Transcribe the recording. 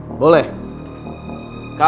kalian boleh keluar